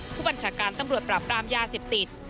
ผู้บัญชาการตำรวจปราบปรามยาเสพติด